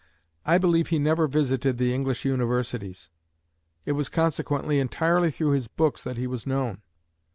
I believe he never visited the English universities: it was consequently entirely through his books that he was known.